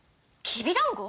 きびだんご？